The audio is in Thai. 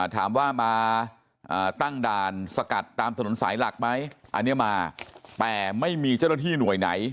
ถามว่ามาตั้งด่านสกัดตามถนนสายหลักไหมอันนี้มาแต่ไม่มีเจ้าหน้าที่หน่วยไหน